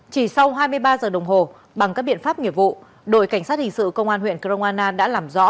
chỉ sau hai mươi ba giờ đồng hồ bằng các biện pháp nghiệp vụ đội cảnh sát hình sự công an huyện crongana đã làm rõ